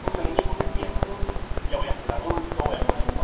Apple Inc.